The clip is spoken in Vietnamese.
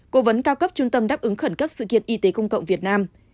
cố vấn cao cấp trung tâm đáp ứng khẩn cấp sự kiện y tế công cộng việt nam